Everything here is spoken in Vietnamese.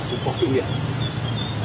cũng có kinh nghiệm